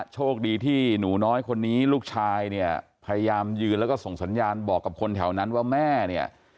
โชคดีที่หนูน้อยคนนี้ลูกชายเนี่ยพยายามยืนแล้วก็ส่งสัญญาณบอกกับคนแถวนั้นว่าแม่เนี่ย